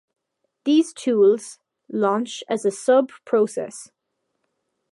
These tools launch as a subprocess.